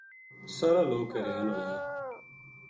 سارا لوک حریان ہویا